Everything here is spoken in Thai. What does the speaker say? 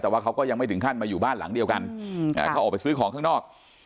แต่ว่าเขาก็ยังไม่ถึงขั้นมาอยู่บ้านหลังเดียวกันเขาออกไปซื้อของข้างนอก